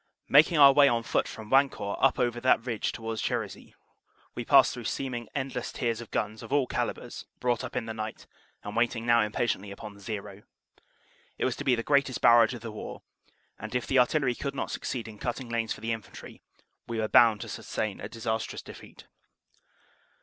Making our way on foot from Wancourt up over that ridge towards Cherisy, we pass through seeming endless tiers of guns of all calibres brought up in the night and waiting now impatiently upon "zero." It was to be the greatest barrage of the war, and if the artillery could not succeed in cutting lanes for the infantry, we were bound to sustain a disastrous defeat.